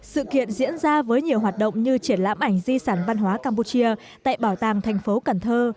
sự kiện diễn ra với nhiều hoạt động như triển lãm ảnh di sản văn hóa campuchia tại bảo tàng thành phố cần thơ